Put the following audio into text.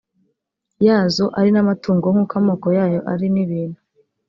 yazo ari n amatungo nk uko amoko yayo ari n ibintu